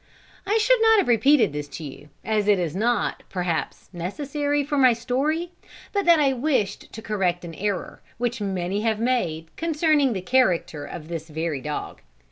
I should not have repeated this to you, as it is not, perhaps, necessary for my story, but that I wished to correct an error, which many have made, concerning the character of this very dog.